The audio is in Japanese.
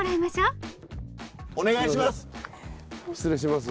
お願いします。